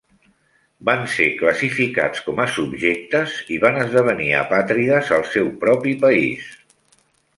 Van ser classificats com a "subjectes" i van esdevenir apàtrides al seu propi país.